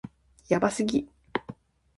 やばすぎ